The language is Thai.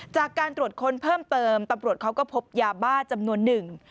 จากการตรวจค้นเพิ่มเติมตำรวจเขาก็พบยาบ้าจำนวนหนึ่ง